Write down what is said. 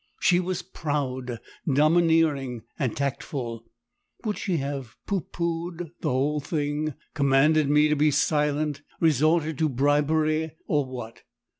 She was proud, domineering and tactful; would she have "pooh poohed!" the whole thing; commanded me to be silent; resorted to bribery, or what?